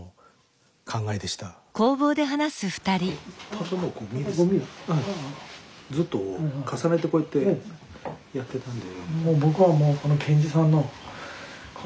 例えばここにずっと重ねてこうやってやってたんで。